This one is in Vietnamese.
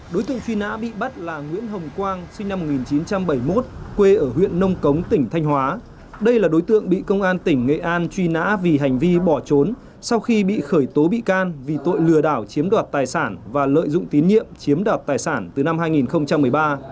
đối tượng truy nã bị bắt là nguyễn hồng quang sinh năm một nghìn chín trăm bảy mươi một quê ở huyện nông cống tỉnh thanh hóa đây là đối tượng bị công an tỉnh nghệ an truy nã vì hành vi bỏ trốn sau khi bị khởi tố bị can vì tội lừa đảo chiếm đoạt tài sản và lợi dụng tín nhiệm chiếm đoạt tài sản từ năm hai nghìn một mươi ba